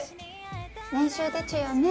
練習でちゅよね。